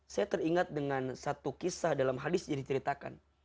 saya teringat dengan satu kisah dalam hadis yang diceritakan